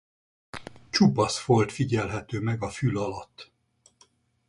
Csupasz folt figyelhető meg a fül alatt.